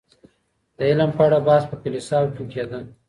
د علم په اړه بحث په کليساوو کي کيده.